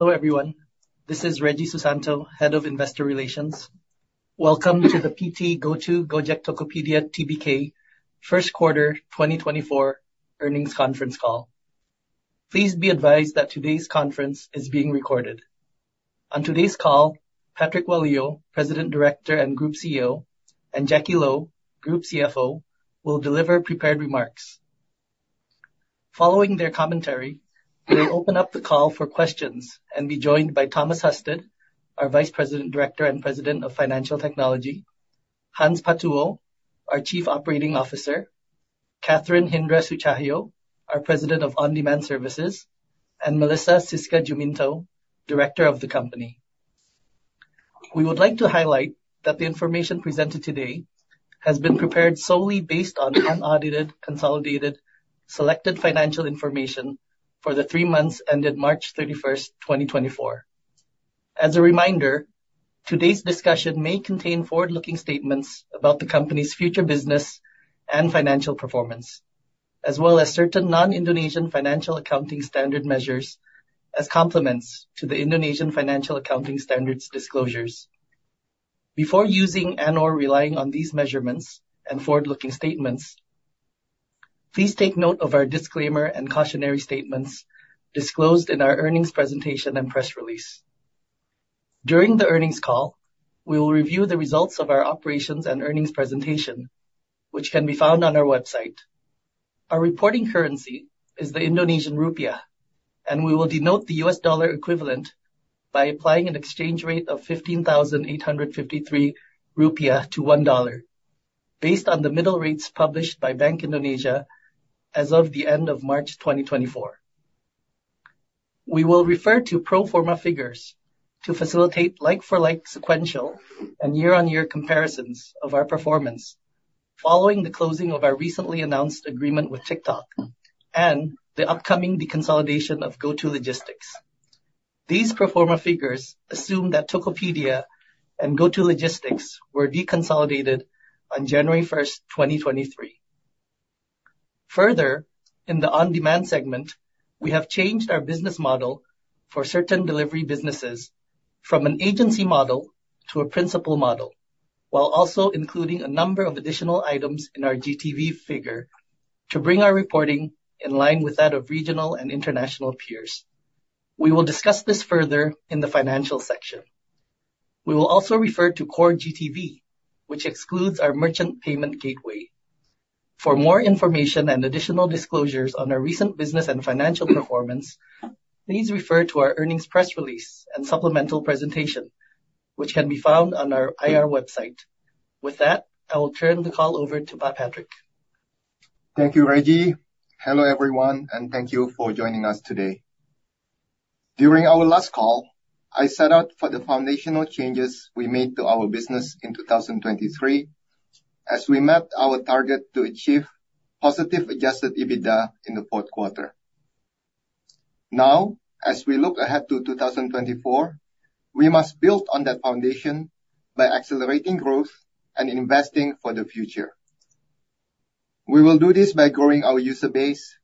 Hello, everyone. This is Reggy Susanto, Head of Investor Relations. Welcome to the PT GoTo Gojek Tokopedia Tbk first quarter 2024 earnings conference call. Please be advised that today's conference is being recorded. On today's call, Patrick Walujo, President Director and Group CEO, and Jacky Lo, Group CFO, will deliver prepared remarks. Following their commentary, we will open up the call for questions and be joined by Thomas Husted, our Vice President Director and President of Financial Technology, Hans Patuwo, our Chief Operating Officer, Catherine Hindra Sutjahyo, our President of On-Demand Services, and Melissa Siska Juminto, Director of the company. We would like to highlight that the information presented today has been prepared solely based on unaudited, consolidated, selected financial information for the three months ended March 31st, 2024. As a reminder, today's discussion may contain forward-looking statements about the company's future business and financial performance, as well as certain non-Indonesian financial accounting standard measures as complements to the Indonesian Financial Accounting Standards disclosures. Before using and/or relying on these measurements and forward-looking statements, please take note of our disclaimer and cautionary statements disclosed in our earnings presentation and press release. During the earnings call, we will review the results of our operations and earnings presentation, which can be found on our website. Our reporting currency is the Indonesian rupiah, and we will denote the US dollar equivalent by applying an exchange rate of 15,853 rupiah to $1, based on the middle rates published by Bank Indonesia as of the end of March 2024. We will refer to pro forma figures to facilitate like-for-like, sequential, and year-on-year comparisons of our performance, following the closing of our recently announced agreement with TikTok and the upcoming deconsolidation of GoTo Logistics. These pro forma figures assume that Tokopedia and GoTo Logistics were deconsolidated on January 1st, 2023. Further, in the on-demand segment, we have changed our business model for certain delivery businesses from an agency model to a Principal Model, while also including a number of additional items in our GTV figure to bring our reporting in line with that of regional and international peers. We will discuss this further in the financial section. We will also refer to Core GTV, which excludes our merchant payment gateway. For more information and additional disclosures on our recent business and financial performance, please refer to our earnings press release and supplemental presentation, which can be found on our IR website. With that, I will turn the call over to Pak Patrick. Thank you, Reggy. Hello, everyone, and thank you for joining us today. During our last call, I set out for the foundational changes we made to our business in 2023, as we met our target to achieve positive Adjusted EBITDA in the fourth quarter. Now, as we look ahead to 2024, we must build on that foundation by accelerating growth and investing for the future. We will do this by growing our user base,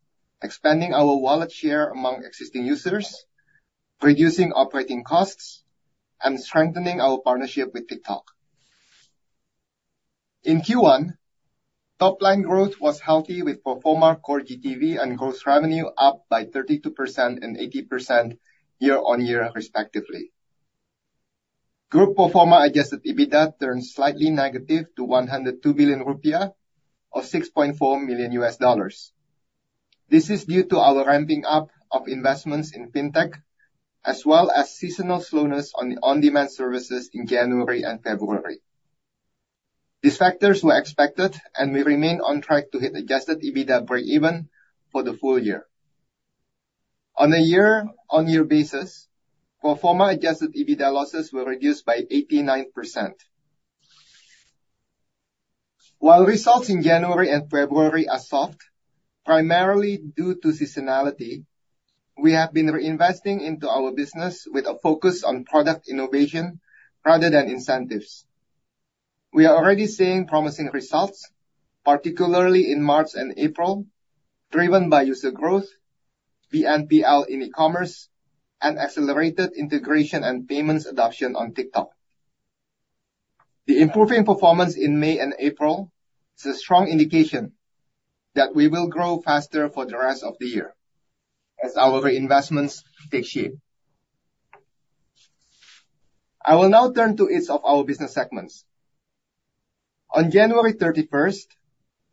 expanding our wallet share among existing users, reducing operating costs, and strengthening our partnership with TikTok. In Q1, top-line growth was healthy, with pro forma Core GTV and gross revenue up by 32% and 80% year-on-year, respectively. Group pro forma Adjusted EBITDA turned slightly negative to 102 billion rupiah, or $6.4 million. This is due to our ramping up of investments in fintech, as well as seasonal slowness on the on-demand services in January and February. These factors were expected, and we remain on track to hit Adjusted EBITDA breakeven for the full year. On a year-on-year basis, pro forma Adjusted EBITDA losses were reduced by 89%. While results in January and February are soft, primarily due to seasonality, we have been reinvesting into our business with a focus on product innovation rather than incentives. We are already seeing promising results, particularly in March and April, driven by user growth, BNPL in e-commerce, and accelerated integration and payments adoption on TikTok. The improving performance in May and April is a strong indication that we will grow faster for the rest of the year as our reinvestments take shape. I will now turn to each of our business segments. On January 31st,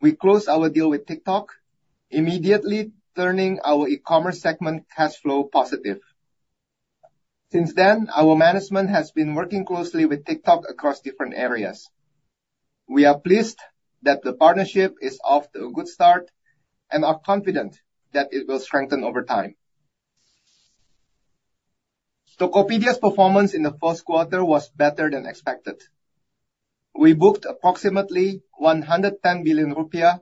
we closed our deal with TikTok, immediately turning our e-commerce segment cash flow positive. Since then, our management has been working closely with TikTok across different areas. We are pleased that the partnership is off to a good start and are confident that it will strengthen over time. Tokopedia's performance in the first quarter was better than expected. We booked approximately 110 billion rupiah,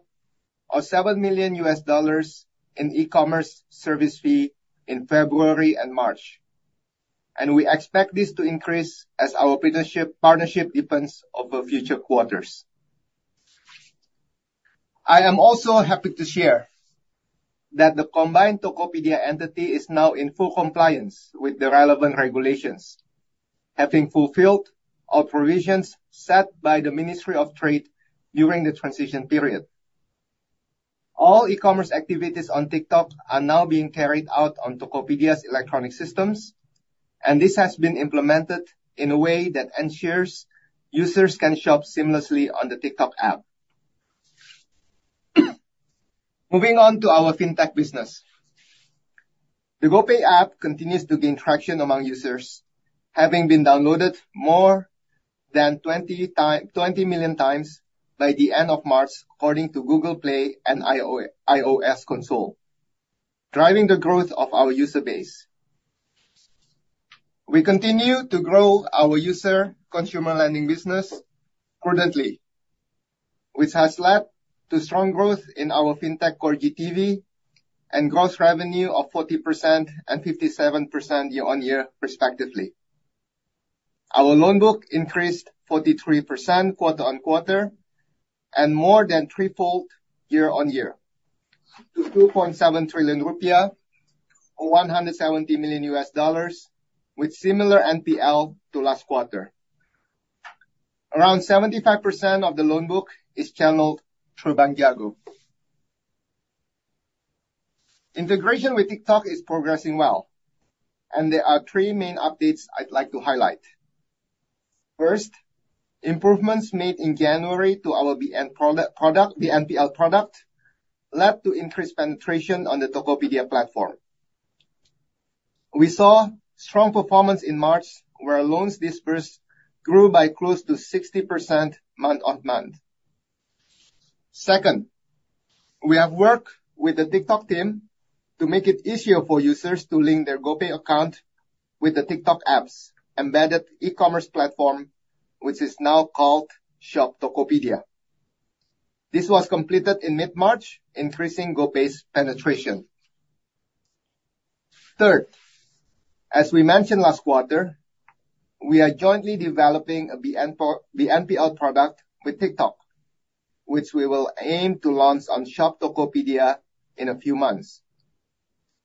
or $7 million, in e-commerce service fee in February and March, and we expect this to increase as our partnership, partnership deepens over future quarters. I am also happy to share that the combined Tokopedia entity is now in full compliance with the relevant regulations, having fulfilled all provisions set by the Ministry of Trade during the transition period. All e-commerce activities on TikTok are now being carried out on Tokopedia's electronic systems, and this has been implemented in a way that ensures users can shop seamlessly on the TikTok app. Moving on to our fintech business. The GoPay app continues to gain traction among users, having been downloaded more than 20-plus million by the end of March, according to Google Play and iOS App Store, driving the growth of our user base. We continue to grow our user consumer lending business prudently, which has led to strong growth in our fintech core GTV and gross revenue of 40% and 57% year-on-year, respectively. Our loan book increased 43% quarter-on-quarter, and more than threefold year-on-year, to 2.7 trillion rupiah, or $170 million, with similar NPL to last quarter. Around 75% of the loan book is channeled through Bank Jago. Integration with TikTok is progressing well, and there are three main updates I'd like to highlight. First, improvements made in January to our BNPL product led to increased penetration on the Tokopedia platform. We saw strong performance in March, where loans disbursed grew by close to 60% month-on-month. Second, we have worked with the TikTok team to make it easier for users to link their GoPay account with the TikTok app's embedded e-commerce platform, which is now called Shop Tokopedia. This was completed in mid-March, increasing GoPay's penetration. Third, as we mentioned last quarter, we are jointly developing a BNPL product with TikTok, which we will aim to launch on Shop Tokopedia in a few months.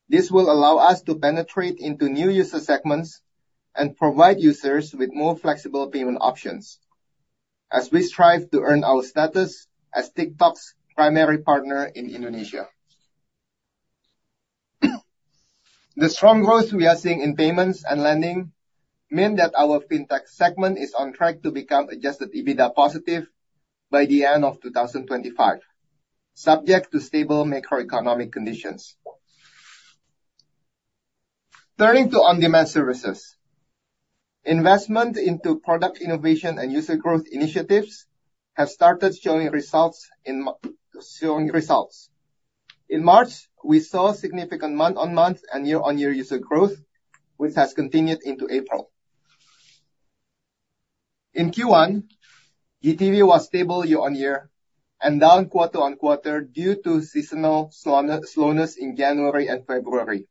This will allow us to penetrate into new user segments and provide users with more flexible payment options as we strive to earn our status as TikTok's primary partner in Indonesia. The strong growth we are seeing in payments and lending mean that our fintech segment is on track to become Adjusted EBITDA positive by the end of 2025, subject to stable macroeconomic conditions. Turning to On-Demand Services. Investment into product innovation and user growth initiatives have started showing results. In March, we saw significant month-on-month and year-on-year user growth, which has continued into April. In Q1, GTV was stable year-on-year and down quarter-on-quarter due to seasonal slowness in January and February.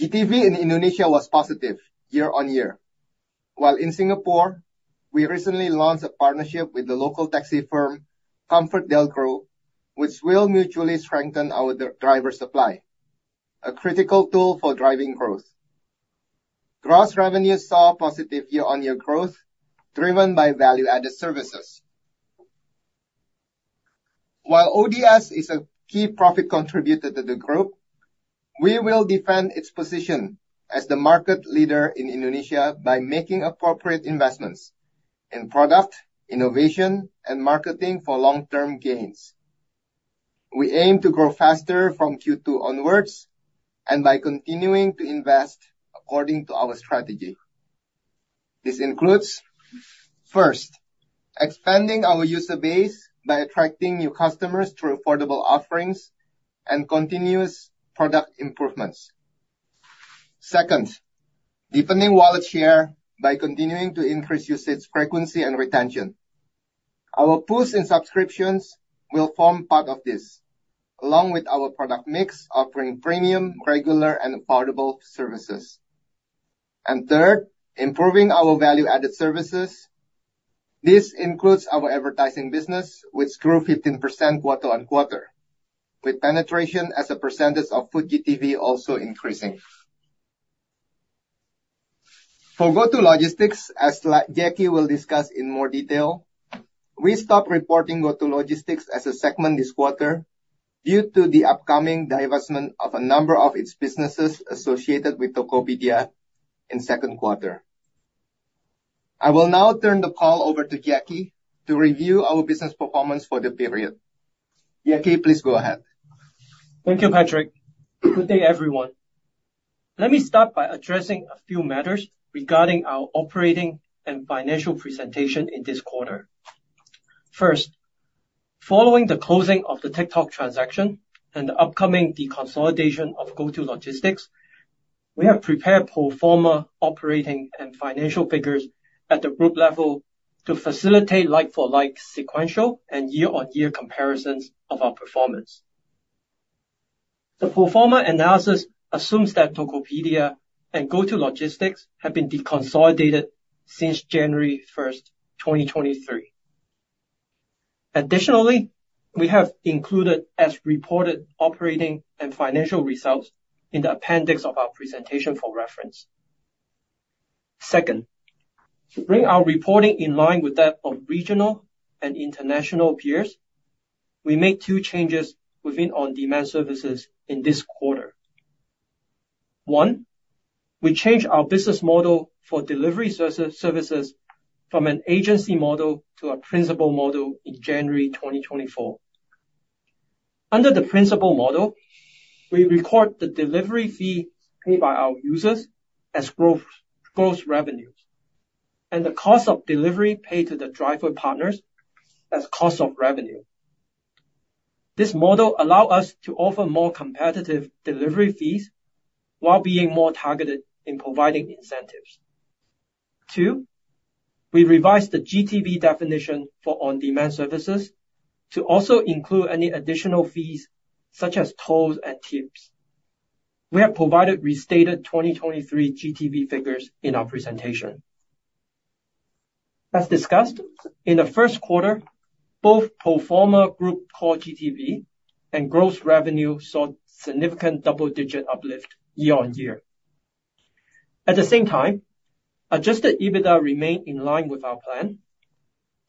GTV in Indonesia was positive year-on-year, while in Singapore, we recently launched a partnership with the local taxi firm, ComfortDelGro, which will mutually strengthen our driver supply, a critical tool for driving growth. Gross revenue saw positive year-on-year growth, driven by value-added services. While ODS is a key profit contributor to the group, we will defend its position as the market leader in Indonesia by making appropriate investments in product, innovation, and marketing for long-term gains. We aim to grow faster from Q2 onwards and by continuing to invest according to our strategy. This includes, first, expanding our user base by attracting new customers through affordable offerings and continuous product improvements. Second, deepening wallet share by continuing to increase usage, frequency, and retention. Our push in subscriptions will form part of this, along with our product mix, offering premium, regular, and affordable services. And third, improving our value-added services. This includes our advertising business, which grew 15% quarter-on-quarter, with penetration as a percentage of food GTV also increasing. For GoTo Logistics, as Jacky will discuss in more detail, we stopped reporting GoTo Logistics as a segment this quarter due to the upcoming divestment of a number of its businesses associated with Tokopedia in second quarter. I will now turn the call over to Jacky to review our business performance for the period. Jacky, please go ahead. Thank you, Patrick. Good day, everyone. Let me start by addressing a few matters regarding our operating and financial presentation in this quarter. First, following the closing of the TikTok transaction and the upcoming deconsolidation of GoTo Logistics, we have prepared pro forma operating and financial figures at the group level to facilitate like-for-like sequential and year-on-year comparisons of our performance. The pro forma analysis assumes that Tokopedia and GoTo Logistics have been deconsolidated since January 1st, 2023. Additionally, we have included as reported operating and financial results in the appendix of our presentation for reference. Second, to bring our reporting in line with that of regional and international peers, we made two changes within On-Demand Services in this quarter. One, we changed our business model for delivery services from an agency model to a principal model in January 2024. Under the principal model, we record the delivery fee paid by our users as gross revenues, and the cost of delivery paid to the driver partners as cost of revenue. This model allow us to offer more competitive delivery fees, while being more targeted in providing incentives. Two, we revised the GTV definition for On-Demand Services to also include any additional fees, such as tolls and tips. We have provided restated 2023 GTV figures in our presentation. As discussed, in the first quarter, both pro forma group core GTV and gross revenue saw significant double-digit uplift year-on-year. At the same time, Adjusted EBITDA remained in line with our plan,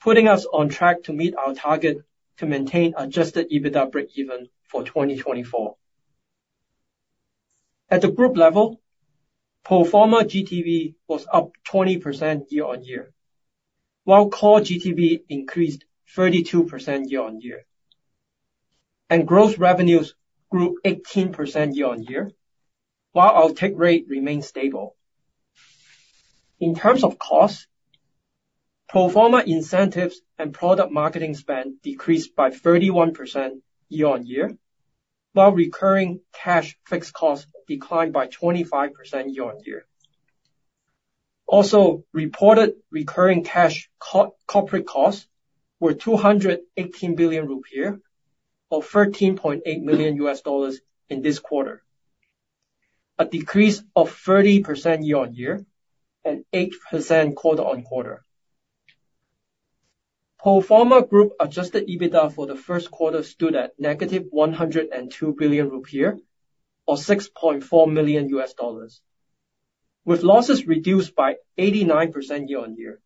putting us on track to meet our target to maintain Adjusted EBITDA breakeven for 2024. At the group level, pro forma GTV was up 20% year-on-year, while Core GTV increased 32% year-on-year, and gross revenues grew 18% year-on-year, while our take rate remained stable. In terms of cost, pro forma incentives and product marketing spend decreased by 31% year-on-year, while recurring cash fixed costs declined by 25% year-on-year. Also, reported recurring cash corporate costs were 218 billion rupiah, or $13.8 million in this quarter, a decrease of 30% year-on-year and 8% quarter-on-quarter. Pro forma group Adjusted EBITDA for the first quarter stood at -102 billion rupiah, or $6.4 million, with losses reduced by 89% year-on-year.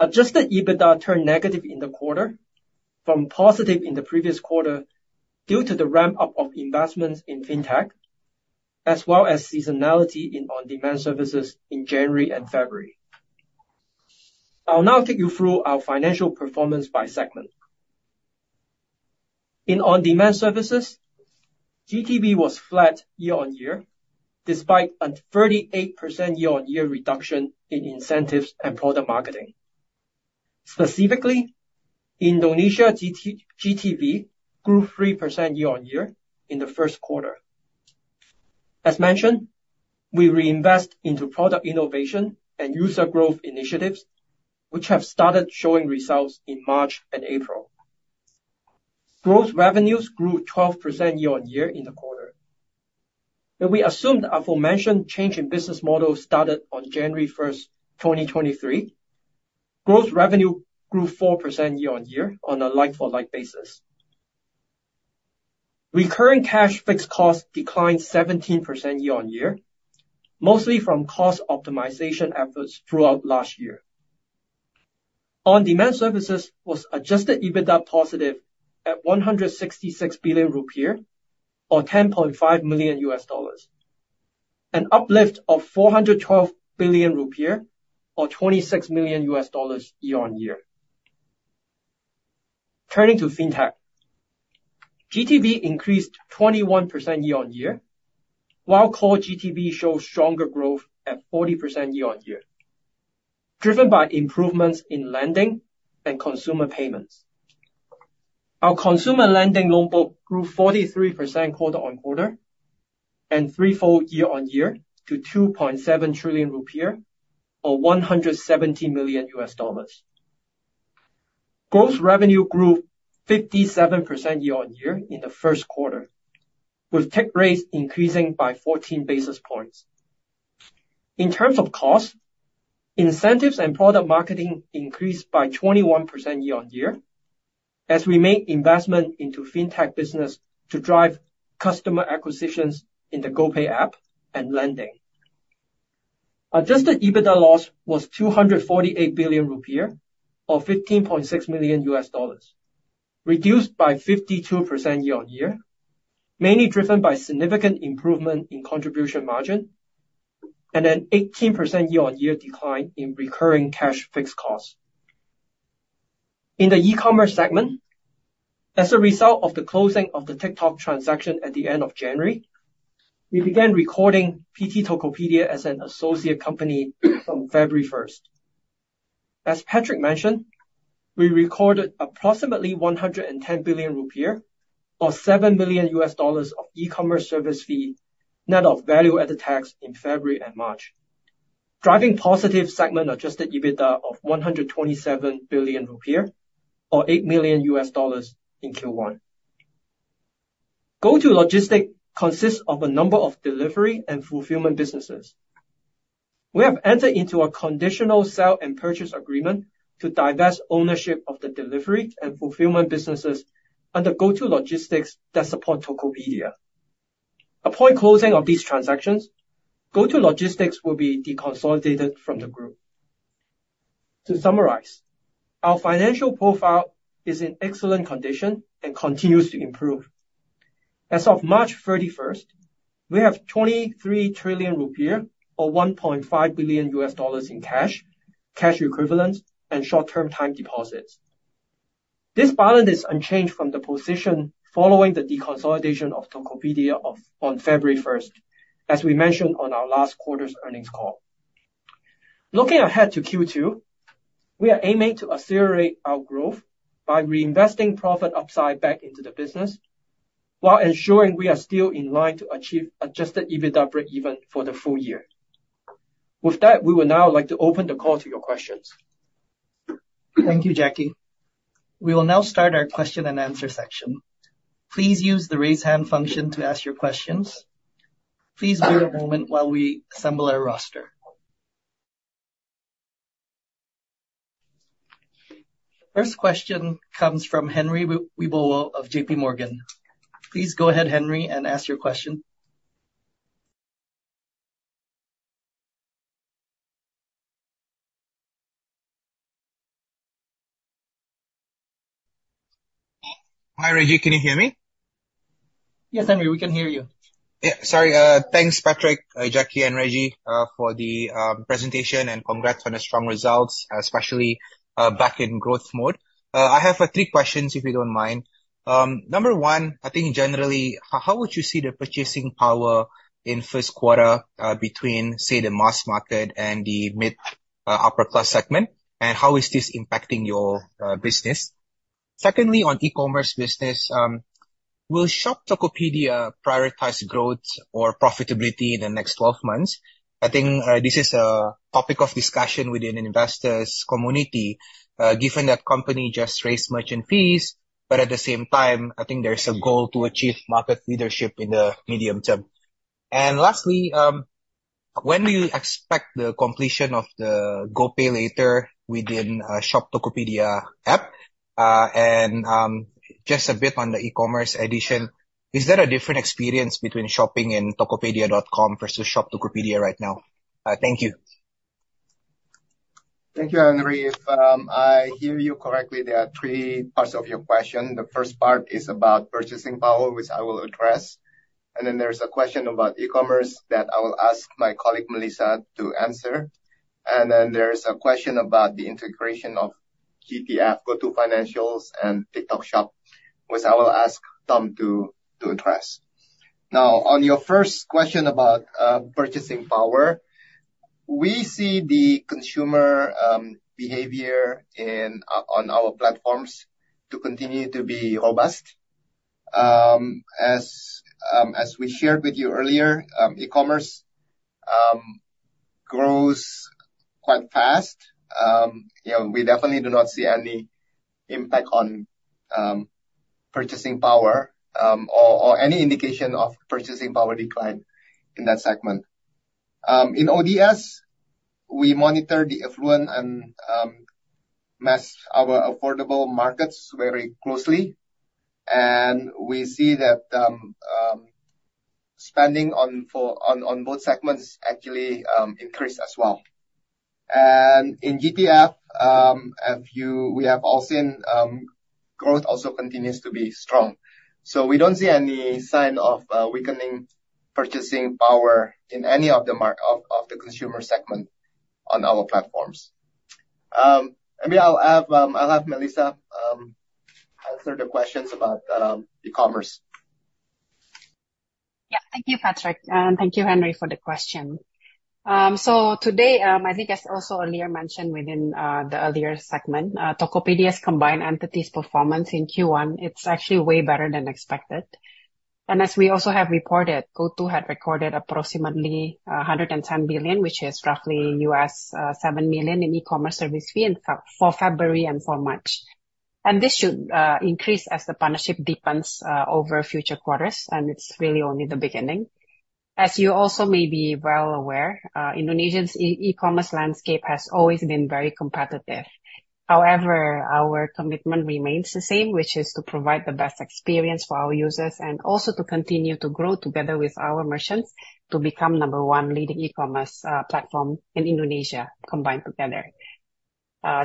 Adjusted EBITDA turned negative in the quarter from positive in the previous quarter, due to the ramp-up of investments in Fintech, as well as seasonality in On-Demand Services in January and February. I'll now take you through our financial performance by segment. In On-Demand Services, GTV was flat year-on-year, despite a 38% year-on-year reduction in incentives and product marketing. Specifically, Indonesia GTV grew 3% year-on-year in the first quarter. As mentioned, we reinvest into product innovation and user growth initiatives, which have started showing results in March and April. Growth revenues grew 12% year-on-year in the quarter. When we assumed the aforementioned change in business model started on January first, 2023, growth revenue grew 4% year-on-year on a like-for-like basis. Recurring cash fixed costs declined 17% year-on-year, mostly from cost optimization efforts throughout last year. On-Demand Services was Adjusted EBITDA positive at 166 billion rupiah, or $10.5 million, an uplift of 412 billion rupiah, or $26 million year-on-year. Turning to Fintech. GTV increased 21% year-on-year, while core GTV showed stronger growth at 40% year-on-year, driven by improvements in lending and consumer payments. Our consumer lending loan book grew 43% quarter-on-quarter and threefold year-on-year to 2.7 trillion rupiah, or $170 million. Gross revenue grew 57% year-on-year in the first quarter, with take rates increasing by 14 basis points. In terms of cost, incentives and product marketing increased by 21% year-on-year, as we made investment into Fintech business to drive customer acquisitions in the GoPay app and lending. Adjusted EBITDA loss was 248 billion rupiah, or $15.6 million, reduced by 52% year-on-year, mainly driven by significant improvement in contribution margin, and an 18% year-on-year decline in recurring cash fixed costs. In the e-commerce segment, as a result of the closing of the TikTok transaction at the end of January, we began recording PT Tokopedia as an associate company from February first. As Patrick mentioned, we recorded approximately 110 billion rupiah, or $7 million, of e-commerce service fee net of value-added tax in February and March.... driving positive segment adjusted EBITDA of 127 billion rupiah, or $8 million in Q1. GoTo Logistics consists of a number of delivery and fulfillment businesses. We have entered into a conditional sale and purchase agreement to divest ownership of the delivery and fulfillment businesses under GoTo Logistics that support Tokopedia. Upon closing of these transactions, GoTo Logistics will be deconsolidated from the group. To summarize, our financial profile is in excellent condition and continues to improve. As of March 31st, we have 23 trillion rupiah, or $1.5 billion in cash, cash equivalents, and short-term time deposits. This balance is unchanged from the position following the deconsolidation of Tokopedia of, on February first, as we mentioned on our last quarter's earnings call. Looking ahead to Q2, we are aiming to accelerate our growth by reinvesting profit upside back into the business, while ensuring we are still in line to achieve Adjusted EBITDA break-even for the full year. With that, we would now like to open the call to your questions. Thank you, Jacky. We will now start our question and answer section. Please use the Raise Hand function to ask your questions. Please bear a moment while we assemble our roster. First question comes from Henry Wibowo of J.P. Morgan. Please go ahead, Henry, and ask your question. Hi, Reggy. Can you hear me? Yes, Henry, we can hear you. Yeah, sorry, thanks, Patrick, Jacky, and Reggy, for the presentation, and congrats on the strong results, especially back in growth mode. I have three questions, if you don't mind. Number one, I think generally, how would you see the purchasing power in first quarter between, say, the mass market and the mid upper class segment? And how is this impacting your business? Secondly, on e-commerce business, will Shop Tokopedia prioritize growth or profitability in the next 12 months? I think this is a topic of discussion within an investors' community, given that company just raised merchant fees, but at the same time, I think there's a goal to achieve market leadership in the medium term. And lastly, when do you expect the completion of the GoPay Later within Shop Tokopedia app? Just a bit on the e-commerce addition, is there a different experience between shopping in Tokopedia.com versus Shop Tokopedia right now? Thank you. Thank you, Henry. If I hear you correctly, there are three parts of your question. The first part is about purchasing power, which I will address, and then there's a question about e-commerce that I will ask my colleague, Melissa, to answer. And then there's a question about the integration of GPF, GoTo Financials and TikTok Shop, which I will ask Tom to address. Now, on your first question about purchasing power, we see the consumer behavior on our platforms to continue to be robust. As we shared with you earlier, e-commerce grows quite fast. You know, we definitely do not see any impact on purchasing power, or any indication of purchasing power decline in that segment. In ODS, we monitor the affluent and mass, our affordable markets very closely, and we see that spending on both segments actually increased as well. In GPF, as we have all seen, growth also continues to be strong. So we don't see any sign of weakening purchasing power in any of the consumer segment on our platforms. Maybe I'll have Melissa answer the questions about e-commerce. Yeah. Thank you, Patrick, and thank you, Henry, for the question. So today, I think as also earlier mentioned within the earlier segment, Tokopedia's combined entities performance in Q1, it's actually way better than expected. And as we also have reported, GoTo had recorded approximately one hundred and ten billion, which is roughly $7 million in e-commerce service fee for February and for March. And this should increase as the partnership deepens over future quarters, and it's really only the beginning. As you also may be well aware, Indonesia's e-commerce landscape has always been very competitive. However, our commitment remains the same, which is to provide the best experience for our users, and also to continue to grow together with our merchants, to become number one leading e-commerce platform in Indonesia, combined together.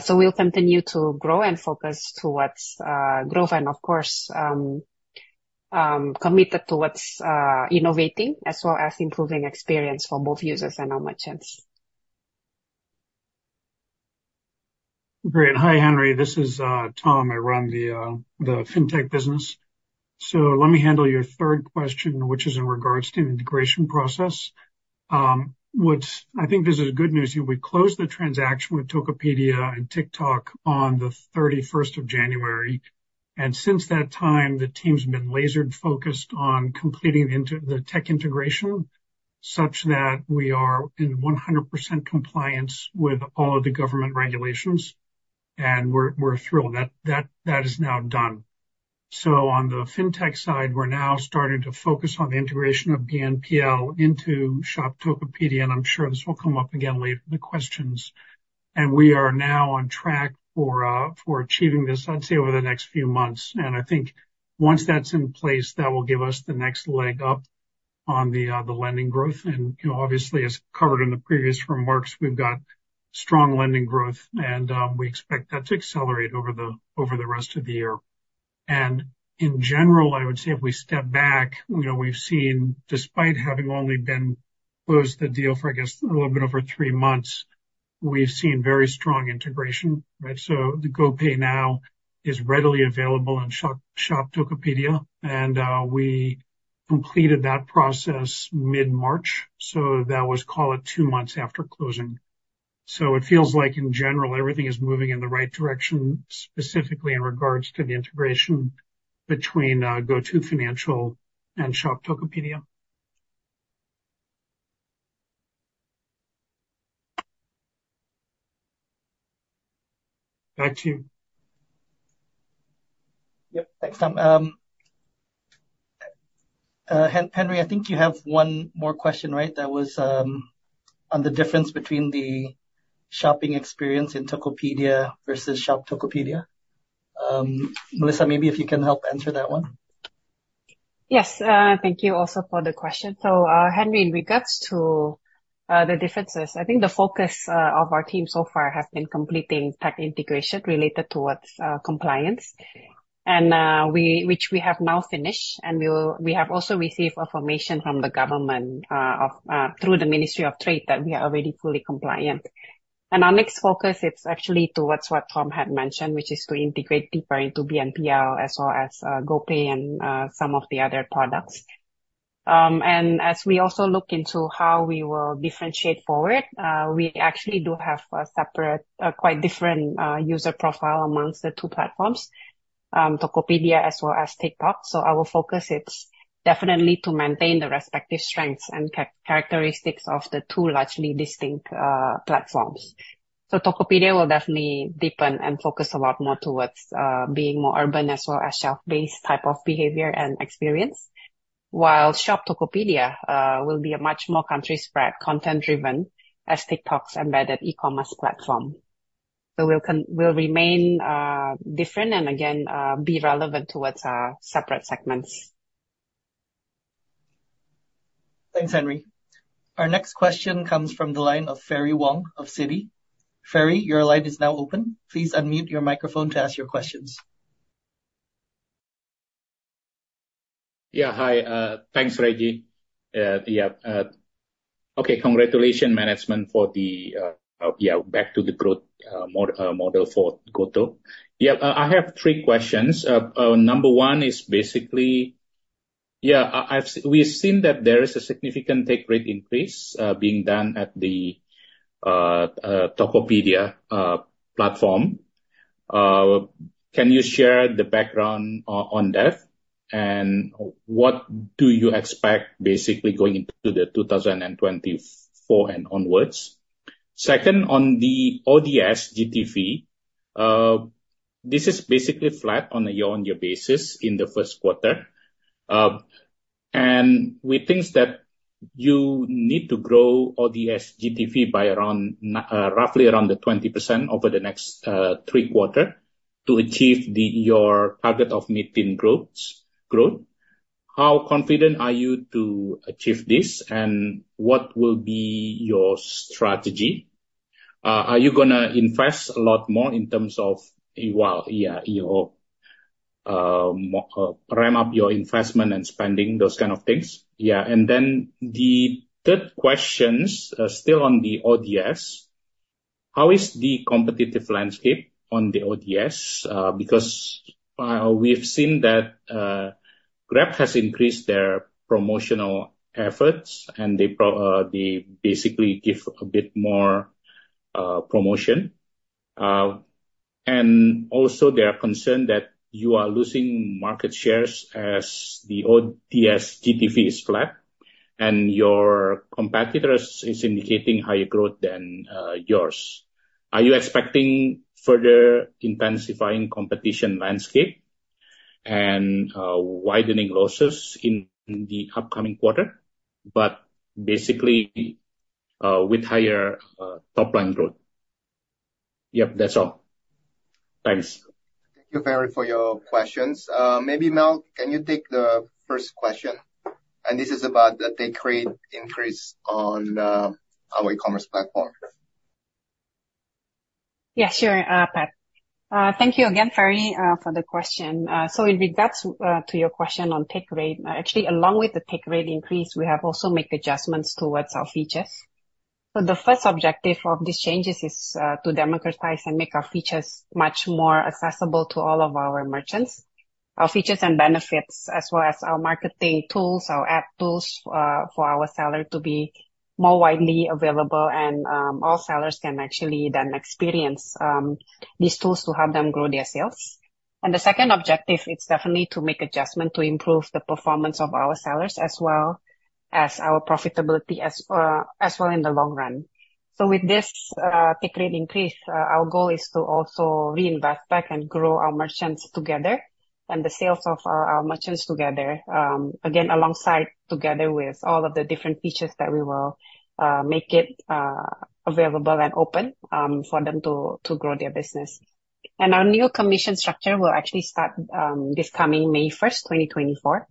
So we'll continue to grow and focus towards growth, and of course committed towards innovating as well as improving experience for both users and our merchants. Great. Hi, Henry, this is Tom. I run the fintech business. So let me handle your third question, which is in regards to the integration process. I think this is good news. We closed the transaction with Tokopedia and TikTok on the 31st January. And since that time, the team's been laser-focused on completing the tech integration, such that we are in 100% compliance with all of the government regulations, and we're thrilled that that is now done. So on the fintech side, we're now starting to focus on the integration of BNPL into Shop Tokopedia, and I'm sure this will come up again later in the questions. And we are now on track for achieving this, I'd say, over the next few months. I think once that's in place, that will give us the next leg up on the lending growth. And, you know, obviously, as covered in the previous remarks, we've got strong lending growth, and we expect that to accelerate over the rest of the year. And in general, I would say if we step back, you know, we've seen, despite having only closed the deal for, I guess, a little bit over three months, we've seen very strong integration, right? So the GoPay is now readily available on Shop Tokopedia, and we completed that process mid-March, so that was, call it two months after closing. So it feels like, in general, everything is moving in the right direction, specifically in regards to the integration between GoTo Financial and Shop Tokopedia. Back to you. Yep. Thanks, Tom. Henry, I think you have one more question, right? That was on the difference between the shopping experience in Tokopedia versus Shop Tokopedia. Melissa, maybe if you can help answer that one. Yes, thank you also for the question. Henry, in regards to the differences, I think the focus of our team so far has been completing tech integration related towards compliance, and which we have now finished, and we have also received affirmation from the government through the Ministry of Trade that we are already fully compliant. Our next focus, it's actually towards what Tom had mentioned, which is to integrate deeper into BNPL as well as GoPay and some of the other products. And as we also look into how we will differentiate forward, we actually do have a separate, quite different, user profile among the two platforms, Tokopedia as well as TikTok. So our focus is definitely to maintain the respective strengths and characteristics of the two largely distinct platforms. So Tokopedia will definitely deepen and focus a lot more towards being more urban as well as shelf-based type of behavior and experience. While Shop Tokopedia will be a much more country-spread, content-driven, as TikTok's embedded e-commerce platform. So we'll remain different and again be relevant towards our separate segments. Thanks, Henry. Our next question comes from the line of Ferry Wong of Citi. Ferry, your line is now open. Please unmute your microphone to ask your questions. Yeah, hi. Thanks, Reggy. Yeah, okay, congratulations, management, for the, yeah, back to the growth, model for GoTo. Yeah, I have three questions. Number one is basically... Yeah, we've seen that there is a significant take rate increase being done at the Tokopedia platform. Can you share the background on that, and what do you expect, basically, going into 2024 and onwards? Second, on the ODS GTV, this is basically flat on a year-on-year basis in the first quarter. And we think that you need to grow ODS GTV by around, roughly around the 20% over the next three quarters to achieve your target of mid-teen growth. How confident are you to achieve this, and what will be your strategy? Are you gonna invest a lot more in terms of, well, yeah, your ramp up your investment and spending, those kind of things? Yeah, and then the third questions, still on the ODS: How is the competitive landscape on the ODS? Because, we've seen that, Grab has increased their promotional efforts, and they basically give a bit more, promotion. And also, they are concerned that you are losing market shares as the ODS GTV is flat, and your competitors is indicating higher growth than, yours. Are you expecting further intensifying competition landscape and, widening losses in the upcoming quarter, but basically, with higher, top-line growth? Yep, that's all. Thanks. Thank you, Ferry, for your questions. Maybe, Mel, can you take the first question? This is about the take rate increase on our e-commerce platform. Yeah, sure, Pat. Thank you again, Ferry, for the question. So in regards to your question on take rate, actually along with the take rate increase, we have also make adjustments towards our features. So the first objective of these changes is to democratize and make our features much more accessible to all of our merchants.... Our features and benefits, as well as our marketing tools, our app tools, for our seller to be more widely available, and all sellers can actually then experience these tools to help them grow their sales. And the second objective, it's definitely to make adjustment to improve the performance of our sellers, as well as our profitability as well in the long run. So with this take rate increase, our goal is to also reinvest back and grow our merchants together and the sales of our merchants together, again, alongside together with all of the different features that we will make it available and open for them to, to grow their business. And our new commission structure will actually start this coming May 1st, 2024.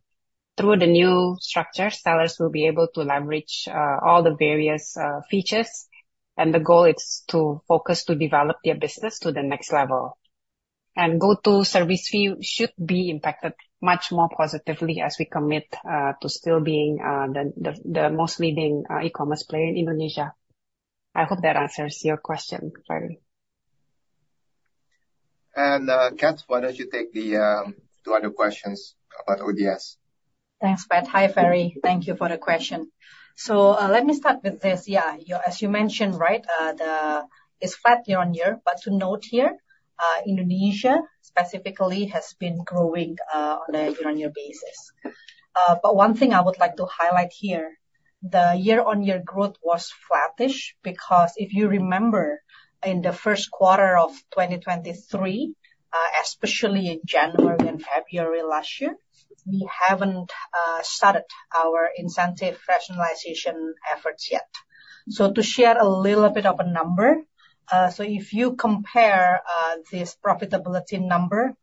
Through the new structure, sellers will be able to leverage all the various features, and the goal is to focus to develop their business to the next level. And GoTo service fee should be impacted much more positively as we commit to still being the, the, the most leading e-commerce player in Indonesia. I hope that answers your question, Ferry. And, Katz, why don't you take the two other questions about ODS? Thanks, Pat. Hi, Ferry. Thank you for the question. So, let me start with this. Yeah, as you mentioned, right, the... It's flat year-on-year, but to note here, Indonesia specifically has been growing, on a year-on-year basis. But one thing I would like to highlight here, the year-on-year growth was flattish, because if you remember, in the first quarter of 2023, especially in January and February last year, we haven't started our incentive rationalization efforts yet. So to share a little bit of a number, so if you compare, this profitability number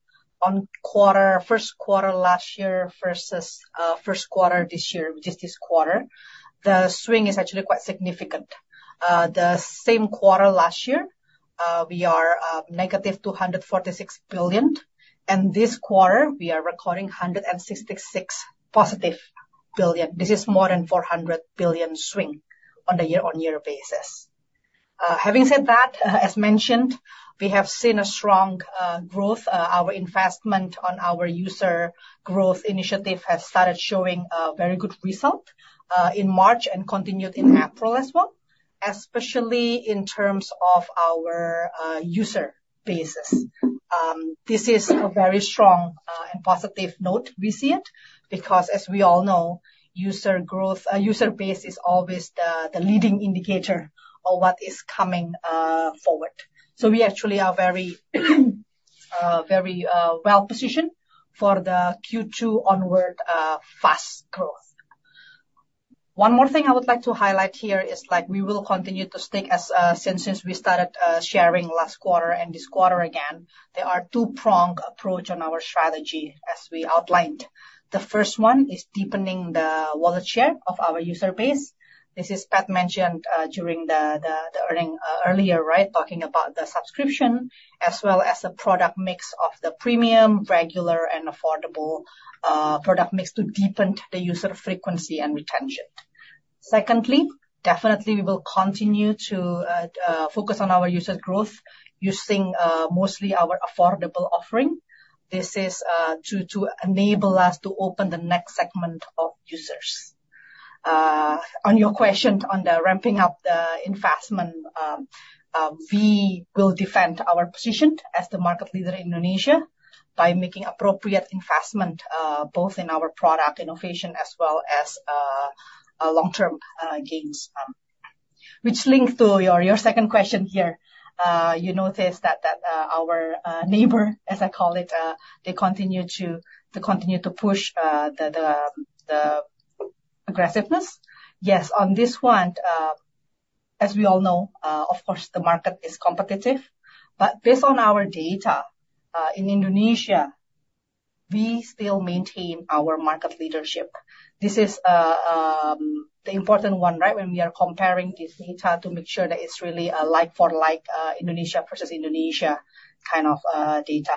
on quarter, first quarter last year versus, first quarter this year, which is this quarter, the swing is actually quite significant. The same quarter last year, we are -246 billion, and this quarter, we are recording $166 positive billion. This is more than $400 billion swing on a year-on-year basis. Having said that, as mentioned, we have seen a strong growth. Our investment on our user growth initiative has started showing a very good result in March and continued in April as well, especially in terms of our user bases. This is a very strong and positive note we see it, because as we all know, user growth user base is always the leading indicator of what is coming forward. So we actually are very very well-positioned for the Q2 onward fast growth. One more thing I would like to highlight here is, like, we will continue to stick as since we started sharing last quarter and this quarter, again, there is a two-pronged approach on our strategy, as we outlined. The first one is deepening the wallet share of our user base. This is as Pat mentioned during the earnings earlier, right? Talking about the subscription, as well as the product mix of the premium, regular, and affordable product mix to deepen the user frequency and retention. Secondly, definitely, we will continue to focus on our user growth using mostly our affordable offering. This is to enable us to open the next segment of users. On your question on the ramping up the investment, we will defend our position as the market leader in Indonesia by making appropriate investment, both in our product innovation as well as long-term gains. Which links to your second question here. You noticed that our neighbor, as I call it, they continue to push the aggressiveness. Yes, on this one, as we all know, of course, the market is competitive. But based on our data in Indonesia, we still maintain our market leadership. This is the important one, right? When we are comparing this data to make sure that it's really a like for like, Indonesia versus Indonesia kind of data.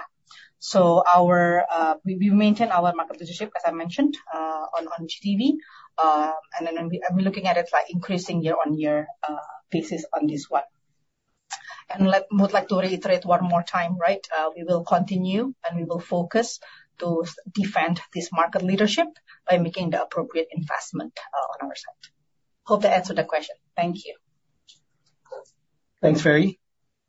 So our We maintain our market leadership, as I mentioned, on GTV, and then we're looking at it, like, increasing year-on-year basis on this one. And would like to reiterate one more time, right, we will continue, and we will focus to defend this market leadership by making the appropriate investment, on our side. Hope that answered the question. Thank you. Thanks, Ferry.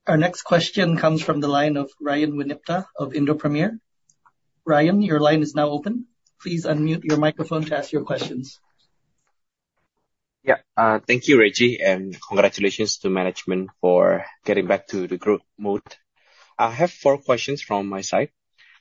Our next question comes from the line of Ryan Winipta of Indo Premier. Ryan, your line is now open. Please unmute your microphone to ask your questions. Yeah, thank you, Reggy, and congratulations to management for getting back to the growth mode. I have four questions from my side.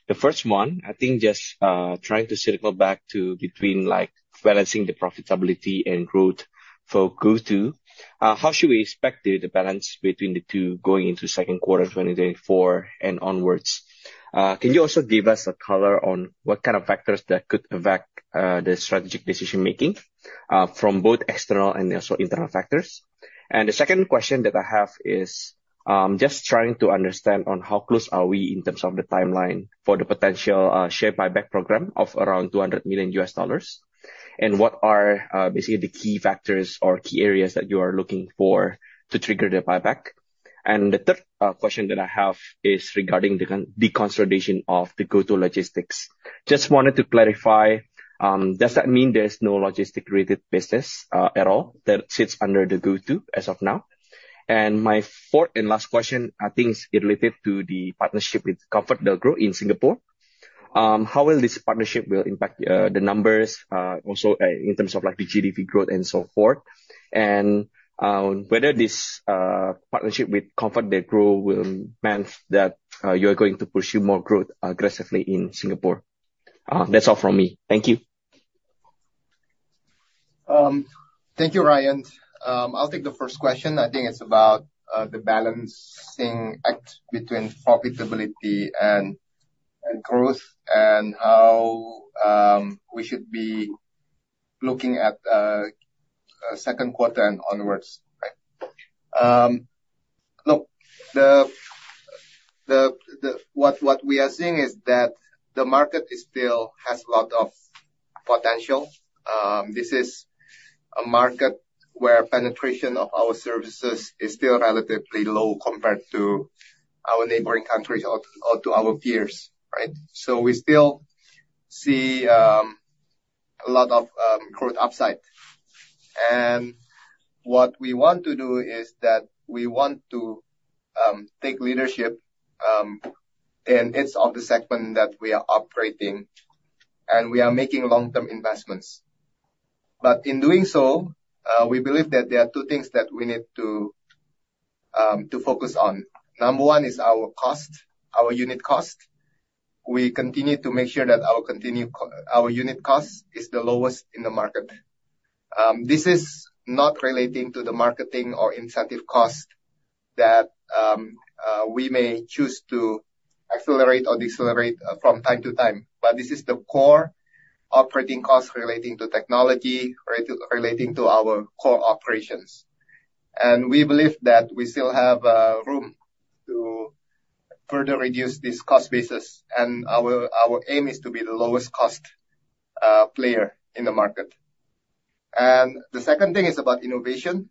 The first one, I think just trying to circle back to between, like, balancing the profitability and growth for GoTo. How should we expect the balance between the two going into second quarter 2024 and onwards? Can you also give us a color on what kind of factors that could affect the strategic decision-making from both external and also internal factors? The second question that I have is, just trying to understand on how close are we in terms of the timeline for the potential share buyback program of around $200 million, and what are basically the key factors or key areas that you are looking for to trigger the buyback? The third question that I have is regarding the consolidation of the GoTo Logistics. Just wanted to clarify, does that mean there's no logistic-related business at all that sits under the GoTo as of now? And my fourth and last question, I think, is related to the partnership with ComfortDelGro in Singapore. How will this partnership will impact the numbers, also, in terms of, like, the GTV growth and so forth? Whether this partnership with ComfortDelGro will mean that you're going to pursue more growth aggressively in Singapore. That's all from me. Thank you. Thank you, Ryan. I'll take the first question. I think it's about the balancing act between profitability and growth, and how we should be looking at second quarter and onwards, right? Look, what we are seeing is that the market still has a lot of potential. This is a market where penetration of our services is still relatively low compared to our neighboring countries or to our peers, right? So we still see a lot of growth upside. And what we want to do is that we want to take leadership in each of the segment that we are operating, and we are making long-term investments. But in doing so, we believe that there are two things that we need to focus on. Number one is our cost, our unit cost. We continue to make sure that our unit cost is the lowest in the market. This is not relating to the marketing or incentive cost that we may choose to accelerate or decelerate from time to time, but this is the core operating cost relating to technology, relating to our core operations. And we believe that we still have room to further reduce this cost basis, and our aim is to be the lowest cost player in the market. And the second thing is about innovation.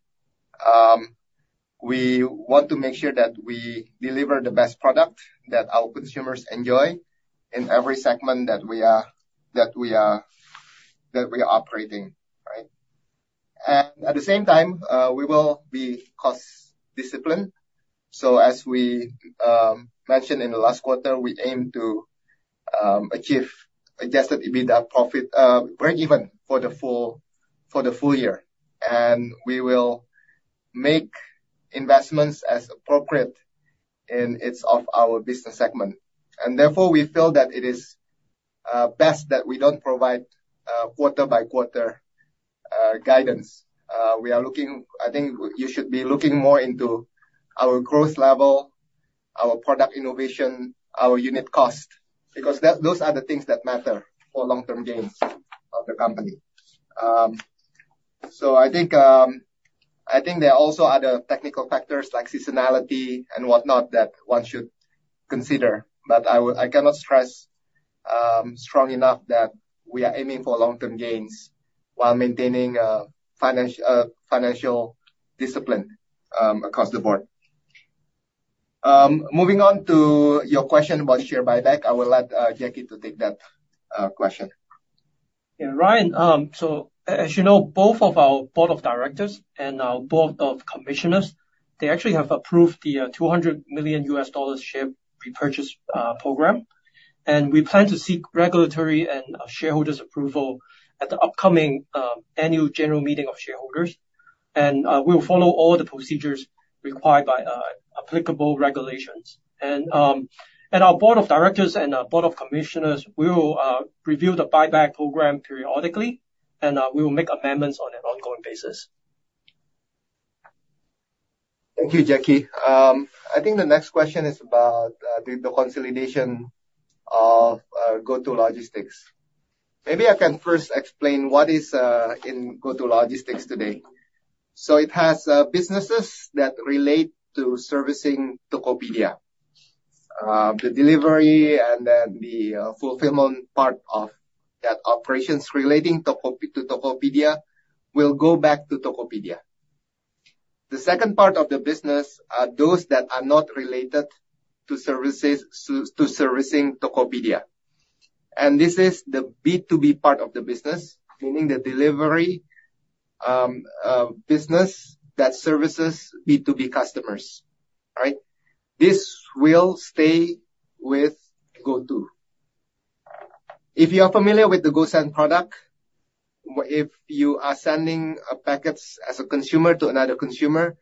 We want to make sure that we deliver the best product that our consumers enjoy in every segment that we are operating, right? And at the same time, we will be cost discipline. So as we mentioned in the last quarter, we aim to achieve adjusted EBITDA profit breakeven for the full, for the full year. And we will make investments as appropriate in each of our business segment. And therefore, we feel that it is best that we don't provide quarter-by-quarter guidance. We are looking... I think you should be looking more into our growth level, our product innovation, our unit cost, because that, those are the things that matter for long-term gains of the company. So I think, I think there are also other technical factors, like seasonality and whatnot, that one should consider. But I cannot stress strong enough that we are aiming for long-term gains while maintaining financial discipline across the board. Moving on to your question about share buyback, I will let Jacky to take that question. Yeah, Ryan, so as you know, both of our board of directors and our board of commissioners, they actually have approved the $200 million share repurchase program. We plan to seek regulatory and shareholders approval at the upcoming annual general meeting of shareholders. We'll follow all the procedures required by applicable regulations. Our board of directors and our board of commissioners will review the buyback program periodically, and we will make amendments on an ongoing basis. Thank you, Jacky. I think the next question is about the consolidation of GoTo Logistics. Maybe I can first explain what is in GoTo Logistics today. So it has businesses that relate to servicing Tokopedia. The delivery and then the fulfillment part of that operations relating to Tokopedia will go back to Tokopedia. The second part of the business are those that are not related to services, so to servicing Tokopedia. And this is the B2B part of the business, meaning the delivery business that services B2B customers, right? This will stay with GoTo. If you are familiar with the GoSend product, if you are sending packets as a consumer to another consumer,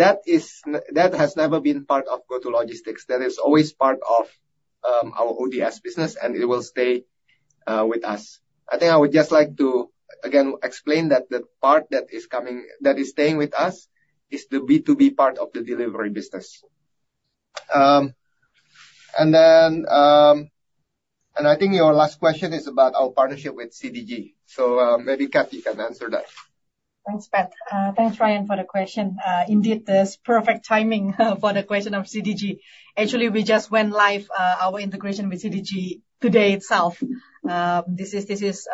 that has never been part of GoTo Logistics. That is always part of our ODS business, and it will stay with us. I think I would just like to, again, explain that the part that is coming, that is staying with us, is the B2B part of the delivery business. And then, and I think your last question is about our partnership with CDG. So, maybe Cathy can answer that.... Thanks, Pat. Thanks, Ryan, for the question. Indeed, this perfect timing for the question of CDG. Actually, we just went live our integration with CDG today itself. This is...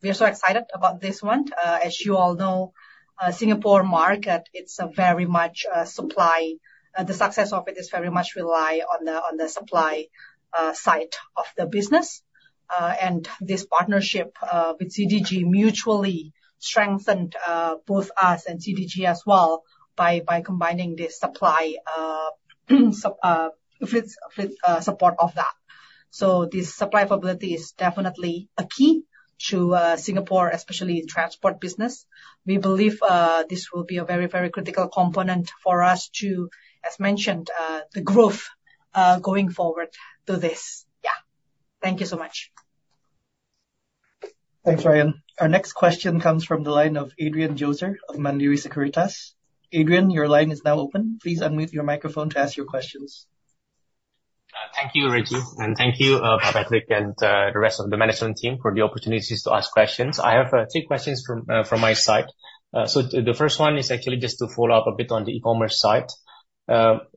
We are so excited about this one. As you all know, the Singapore market, it's very much supply—the success of it is very much rely on the supply side of the business. And this partnership with CDG mutually strengthened both us and CDG as well, by combining this supply with support of that. So this supply ability is definitely a key to Singapore, especially in transport business. We believe this will be a very, very critical component for us to, as mentioned, the growth going forward through this. Yeah. Thank you so much. Thanks, Ryan. Our next question comes from the line of Adrian Joezer of Mandiri Sekuritas. Adrian, your line is now open. Please unmute your microphone to ask your questions. Thank you, Reggy, and thank you, Patrick, and the rest of the management team for the opportunities to ask questions. I have three questions from my side. So the first one is actually just to follow up a bit on the e-commerce side.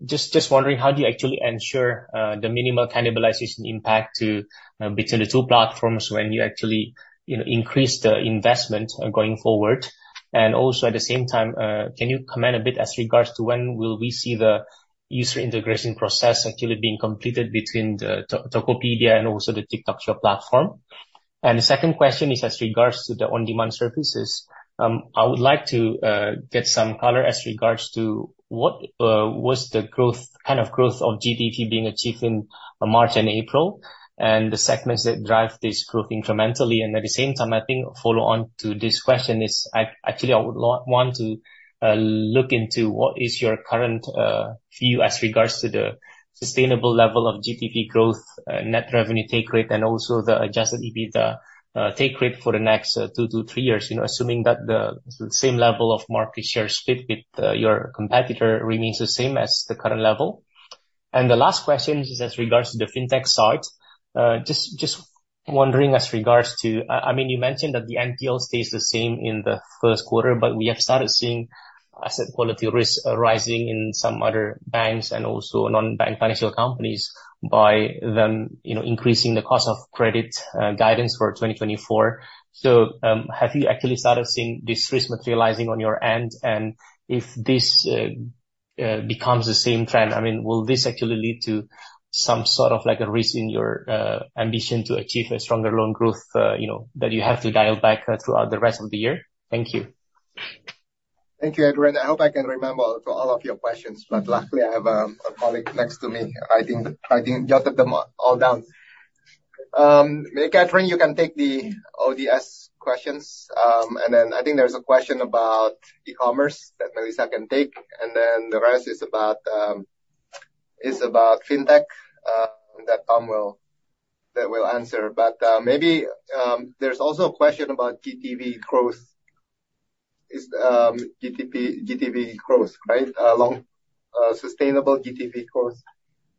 Just wondering, how do you actually ensure the minimal cannibalization impact to between the two platforms when you actually, you know, increase the investment going forward? And also, at the same time, can you comment a bit as regards to when will we see the user integration process actually being completed between the Tokopedia and also the TikTok Shop platform? And the second question is as regards to the On-Demand Services. I would like to get some color as regards to what was the growth, kind of growth of GTV being achieved in March and April, and the segments that drive this growth incrementally. And at the same time, I think follow on to this question is, actually, I would want to look into what is your current view as regards to the sustainable level of GTV growth, net revenue take rate, and also the adjusted EBITDA take rate for the next two to three years, you know, assuming that the same level of market share split with your competitor remains the same as the current level. And the last question is as regards to the fintech side. Just wondering as regards to... I mean, you mentioned that the NPL stays the same in the first quarter, but we have started seeing asset quality risk arising in some other banks and also non-bank financial companies by them, you know, increasing the cost of credit, guidance for 2024. So, have you actually started seeing this risk materializing on your end? And if this becomes the same trend, I mean, will this actually lead to some sort of, like, a risk in your ambition to achieve a stronger loan growth, you know, that you have to dial back throughout the rest of the year? Thank you. Thank you, Adrian. I hope I can remember all of your questions, but luckily, I have a colleague next to me who has jotted them all down. Maybe, Catherine, you can take the ODS questions. And then I think there's a question about e-commerce that Melissa can take, and then the rest is about fintech that Tom will answer. But maybe there's also a question about GTV growth, GTV growth, right? On sustainable GTV growth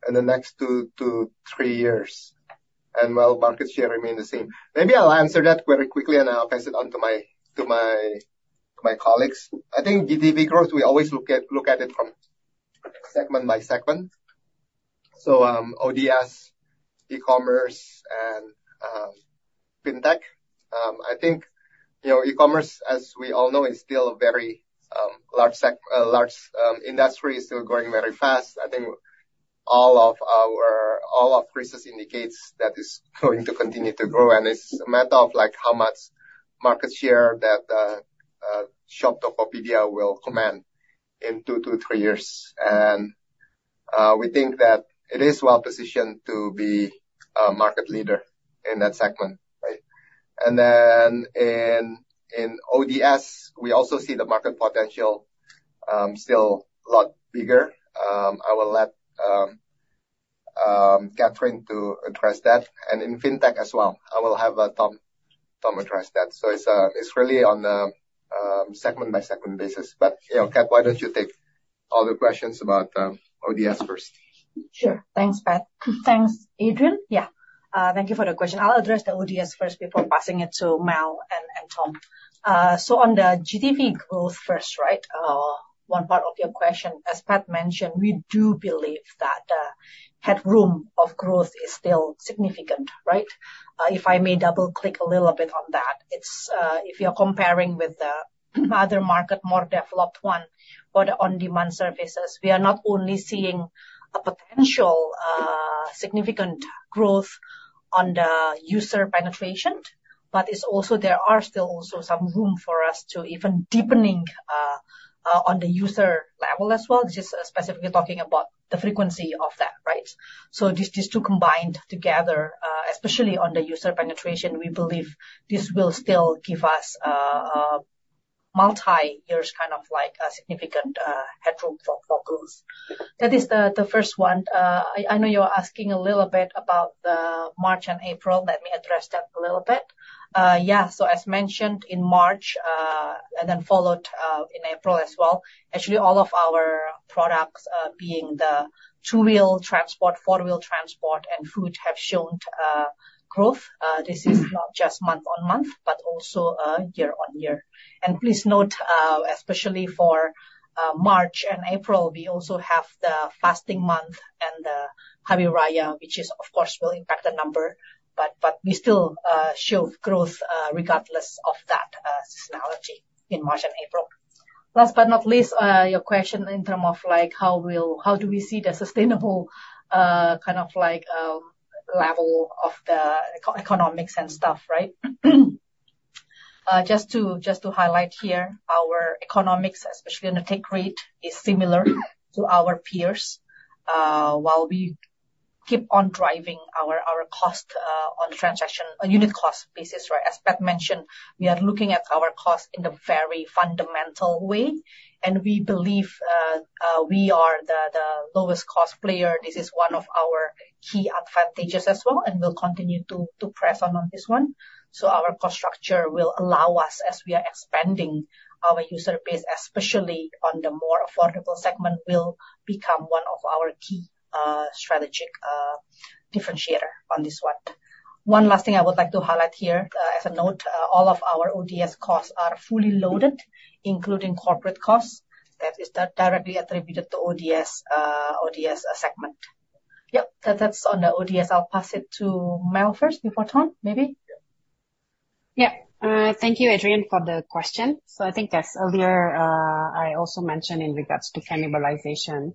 in the next two to three years, and while market share remain the same. Maybe I'll answer that very quickly, and I'll pass it on to my colleagues. I think GTV growth, we always look at it from segment by segment. So, ODS, e-commerce, and fintech. I think, you know, e-commerce, as we all know, is still a very large industry, still growing very fast. I think all of our research indicates that it's going to continue to grow, and it's a matter of, like, how much market share that Shop Tokopedia will command in two to three years. We think that it is well positioned to be a market leader in that segment, right? And then in ODS, we also see the market potential still a lot bigger. I will let Catherine to address that, and in fintech as well, I will have Tom address that. So it's really on a segment by segment basis. But, you know, Cat, why don't you take all the questions about ODS first? Sure. Thanks, Pat. Thanks, Adrian. Yeah, thank you for the question. I'll address the ODS first before passing it to Mel and Tom. So on the GTV growth first, right, one part of your question, as Pat mentioned, we do believe that the headroom of growth is still significant, right? If I may double-click a little bit on that, it's, if you're comparing with the other market, more developed one, for the on-demand services, we are not only seeing a potential, significant growth on the user penetration, but it's also... there are still also some room for us to even deepening, on the user level as well, just, specifically talking about the frequency of that, right? So these two combined together, especially on the user penetration, we believe this will still give us multi-years kind of, like, a significant headroom for growth. That is the first one. I know you were asking a little bit about March and April. Let me address that a little bit. Yeah, so as mentioned in March and then followed in April as well, actually, all of our products, being the two-wheel transport, four-wheel transport, and food have shown growth. This is not just month-on-month, but also year-on-year. And please note, especially for March and April, we also have the fasting month and the Hari Raya, which, of course, will impact the number. But we still show growth regardless of that seasonality in March and April. Last but not least, your question in terms of, like, how do we see the sustainable kind of like level of the economics and stuff, right? Just to highlight here, our economics, especially on the take rate, is similar to our peers. While we keep on driving our cost on transaction on a unit cost basis, right? As Pat mentioned, we are looking at our costs in a very fundamental way, and we believe we are the lowest cost player. This is one of our key advantages as well, and we'll continue to press on this one. So our cost structure will allow us, as we are expanding our user base, especially on the more affordable segment, will become one of our key strategic differentiator on this one. One last thing I would like to highlight here, as a note, all of our ODS costs are fully loaded, including corporate costs. That is directly attributed to ODS, ODS segment. Yep, that, that's on the ODS. I'll pass it to Mel first before Tom, maybe. Yeah. Thank you, Adrian, for the question. So I think as earlier, I also mentioned in regards to cannibalization,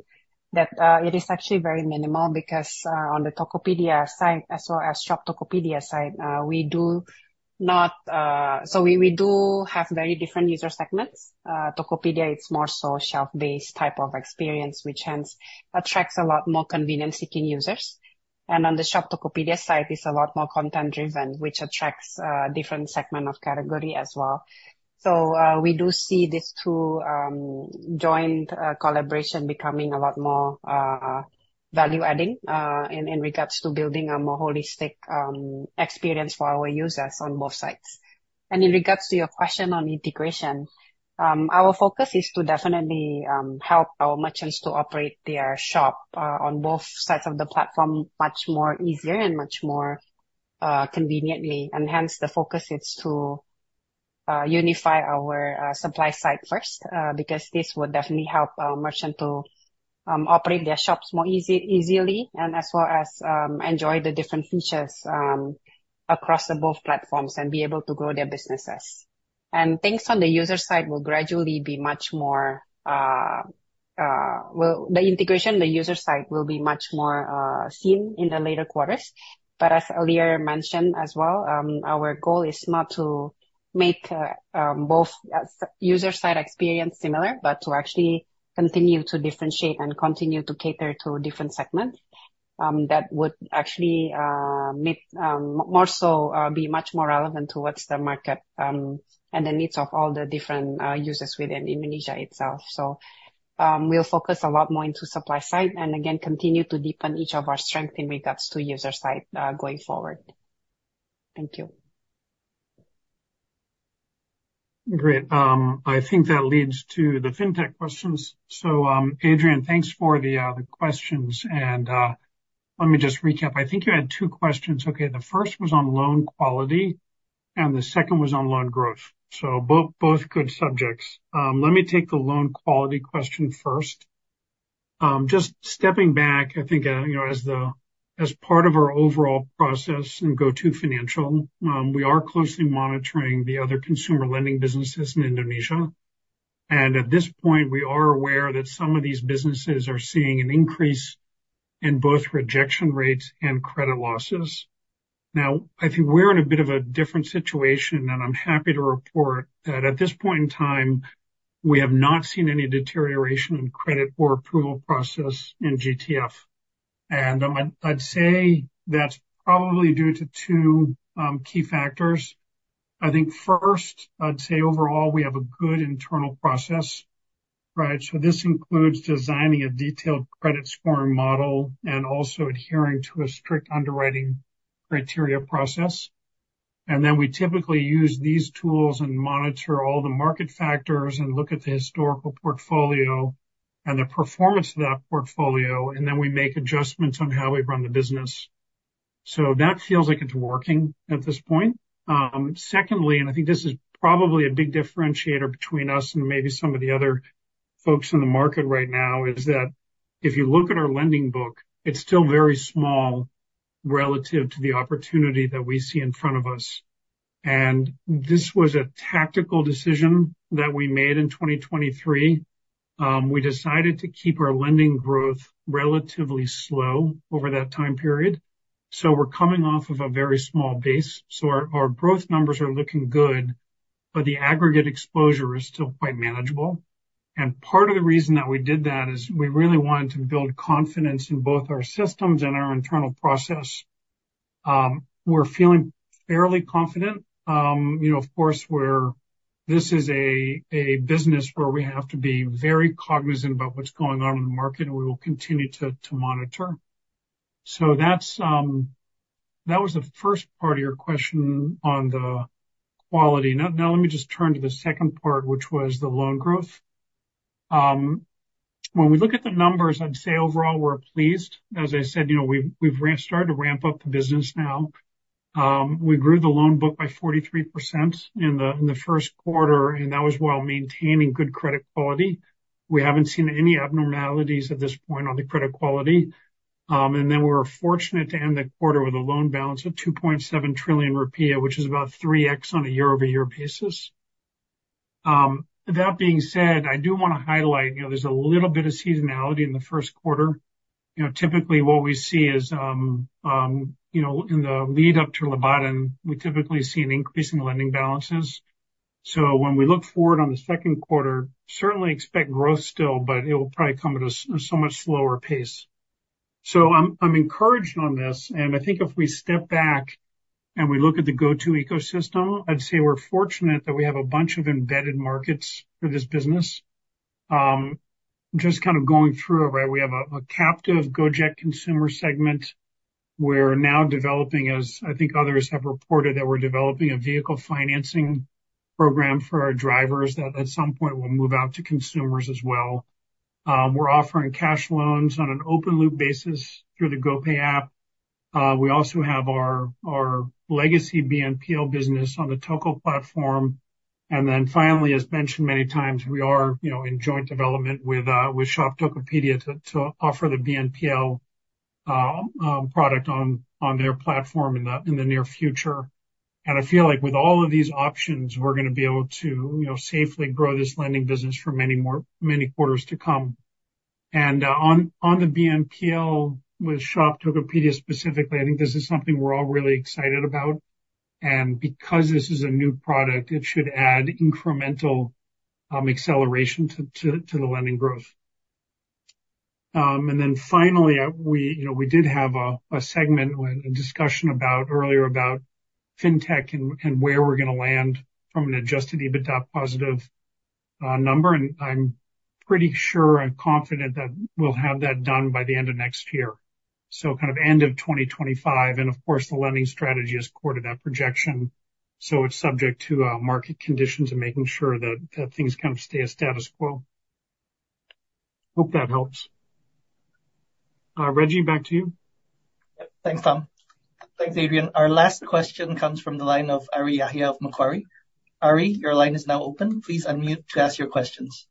that it is actually very minimal because on the Tokopedia site, as well as Shop Tokopedia site, we do have very different user segments. Tokopedia, it's more so shelf-based type of experience, which hence attracts a lot more convenience-seeking users. And on the Shop Tokopedia site, it's a lot more content-driven, which attracts different segment of category as well. So we do see these two joined collaboration becoming a lot more value-adding in regards to building a more holistic experience for our users on both sides. And in regards to your question on integration, our focus is to definitely help our merchants to operate their shop on both sides of the platform, much more easier and much more conveniently. And hence, the focus is to unify our supply side first, because this would definitely help our merchant to operate their shops more easily, and as well as enjoy the different features across the both platforms and be able to grow their businesses. And things on the user side will gradually be much more, well, the integration, the user side will be much more seen in the later quarters. But as earlier mentioned as well, our goal is not to make both user side experience similar, but to actually continue to differentiate and continue to cater to different segments that would actually make more so be much more relevant towards the market and the needs of all the different users within Indonesia itself. So, we'll focus a lot more into supply side, and again, continue to deepen each of our strength in regards to user side going forward. Thank you. Great. I think that leads to the fintech questions. So, Adrian, thanks for the questions, and let me just recap. I think you had two questions. Okay, the first was on loan quality, and the second was on loan growth. So both good subjects. Let me take the loan quality question first. Just stepping back, I think you know, as part of our overall process in GoTo Financial, we are closely monitoring the other consumer lending businesses in Indonesia. And at this point, we are aware that some of these businesses are seeing an increase in both rejection rates and credit losses. Now, I think we're in a bit of a different situation, and I'm happy to report that at this point in time, we have not seen any deterioration in credit or approval process in GTF. I'd say that's probably due to two key factors. I think first, I'd say overall, we have a good internal process, right? So this includes designing a detailed credit scoring model and also adhering to a strict underwriting criteria process. And then we typically use these tools and monitor all the market factors and look at the historical portfolio and the performance of that portfolio, and then we make adjustments on how we run the business. So that feels like it's working at this point. Secondly, and I think this is probably a big differentiator between us and maybe some of the other folks in the market right now, is that if you look at our lending book, it's still very small relative to the opportunity that we see in front of us. And this was a tactical decision that we made in 2023. We decided to keep our lending growth relatively slow over that time period. So we're coming off of a very small base. So our growth numbers are looking good, but the aggregate exposure is still quite manageable. And part of the reason that we did that is we really wanted to build confidence in both our systems and our internal process. We're feeling fairly confident. You know, of course, we're, this is a business where we have to be very cognizant about what's going on in the market, and we will continue to monitor. So that was the first part of your question on the quality. Now let me just turn to the second part, which was the loan growth. When we look at the numbers, I'd say overall we're pleased. As I said, you know, we've started to ramp up the business now. We grew the loan book by 43% in the first quarter, and that was while maintaining good credit quality. We haven't seen any abnormalities at this point on the credit quality. And then we're fortunate to end the quarter with a loan balance of 2.7 trillion rupiah, which is about 3x on a year-over-year basis. That being said, I do wanna highlight, you know, there's a little bit of seasonality in the first quarter. You know, typically, what we see is, you know, in the lead up to Lebaran, we typically see an increase in lending balances. So when we look forward on the second quarter, certainly expect growth still, but it will probably come at a so much slower pace. So I'm encouraged on this, and I think if we step back and we look at the GoTo ecosystem, I'd say we're fortunate that we have a bunch of embedded markets for this business. Just kind of going through it, right? We have a captive Gojek consumer segment. We're now developing, as I think others have reported, that we're developing a vehicle financing program for our drivers, that at some point will move out to consumers as well. We're offering cash loans on an open loop basis through the GoPay app. We also have our legacy BNPL business on the Tokopedia platform. And then finally, as mentioned many times, we are, you know, in joint development with Shop Tokopedia to offer the BNPL product on their platform in the near future. I feel like with all of these options, we're gonna be able to, you know, safely grow this lending business for many more, many quarters to come. On the BNPL, with Shop Tokopedia, specifically, I think this is something we're all really excited about. Because this is a new product, it should add incremental acceleration to the lending growth. You know, we did have a segment, well, a discussion earlier about fintech and where we're gonna land from an Adjusted EBITDA positive number. I'm pretty sure I'm confident that we'll have that done by the end of next year, so kind of end of 2025. Of course, the lending strategy is core to that projection, so it's subject to market conditions and making sure that things kind of stay a status quo. Hope that helps. Reggy, back to you. Yep. Thanks, Tom. Thanks, Adrian. Our last question comes from the line of Ari Jahja of Macquarie. Ari, your line is now open. Please unmute to ask your questions.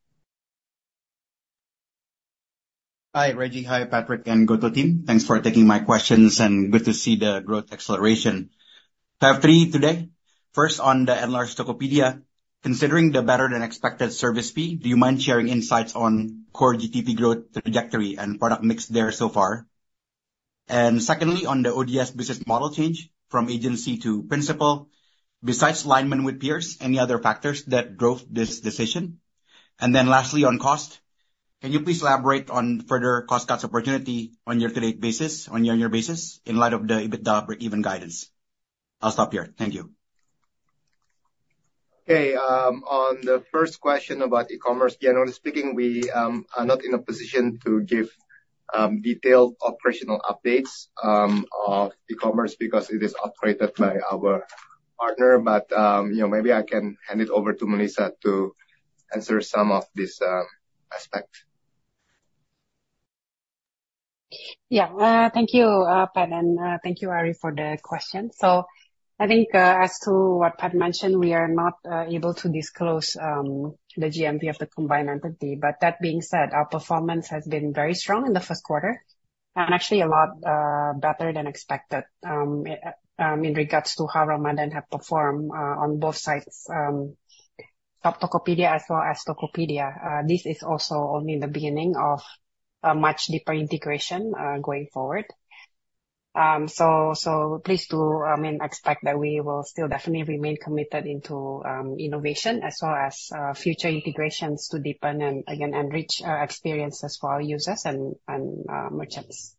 Hi, Reggy. Hi, Patrick, and GoTo team. Thanks for taking my questions, and good to see the growth acceleration. I have three today. First, on the enlarged Tokopedia, considering the better-than-expected service fee, do you mind sharing insights on Core GTV growth trajectory and product mix there so far? And secondly, on the ODS business model change from agency to principal, besides alignment with peers, any other factors that drove this decision? And then lastly, on cost, can you please elaborate on further cost cuts opportunity on year-to-date basis, on year-on-year basis, in light of the EBITDA breakeven guidance? I'll stop here. Thank you. Hey, on the first question about e-commerce, generally speaking, we are not in a position to give detailed operational updates of e-commerce because it is operated by our partner. But, you know, maybe I can hand it over to Melissa to answer some of these aspects. Yeah. Thank you, Pat, and thank you, Ari, for the question. So I think, as to what Pat mentioned, we are not able to disclose the GMV of the combined entity. But that being said, our performance has been very strong in the first quarter, and actually a lot better than expected, in regards to how Ramadan have performed on both sides, Shop Tokopedia as well as Tokopedia. This is also only the beginning of a much deeper integration going forward. So please do expect that we will still definitely remain committed into innovation as well as future integrations to deepen and, again, enrich experiences for our users and merchants.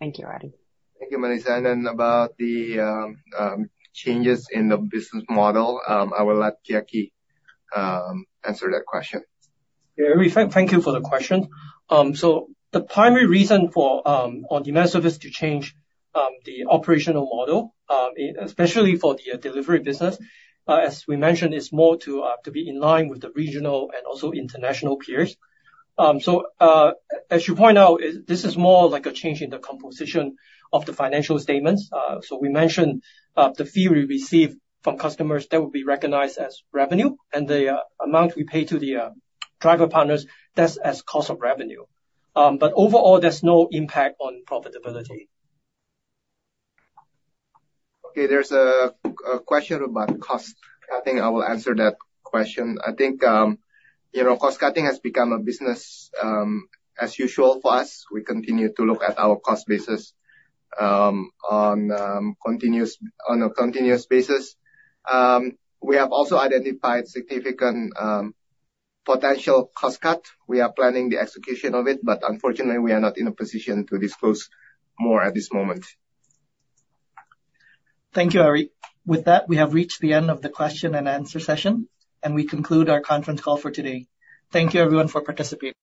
Thank you, Ari. Thank you, Melissa. About the changes in the business model, I will let Jacky answer that question. Yeah, Ari, thank you for the question. So the primary reason for on-demand service to change the operational model, especially for the delivery business, as we mentioned, is more to be in line with the regional and also international peers. So, as you point out, this is more like a change in the composition of the financial statements. So we mentioned the fee we receive from customers, that will be recognized as revenue, and the amount we pay to the driver partners, that's as cost of revenue. But overall, there's no impact on profitability. Okay, there's a question about cost. I think I will answer that question. I think, you know, cost-cutting has become a business as usual for us. We continue to look at our cost basis on a continuous basis. We have also identified significant potential cost cut. We are planning the execution of it, but unfortunately, we are not in a position to disclose more at this moment. Thank you, Ari. With that, we have reached the end of the question and answer session, and we conclude our conference call for today. Thank you, everyone, for participating.